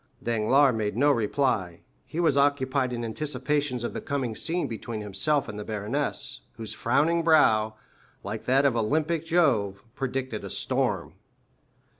Danglars made no reply; he was occupied in anticipations of the coming scene between himself and the baroness, whose frowning brow, like that of Olympic Jove, predicted a storm.